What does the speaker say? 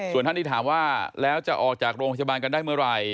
ส่วนท่านที่ถามว่าแล้วจะออกจากโรงพยาบาลกันได้เมื่อไหร่